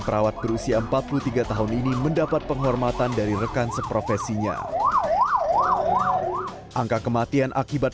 perawat berusia empat puluh tiga tahun ini mendapat penghormatan dari rekan seprofesinya angka kematian akibat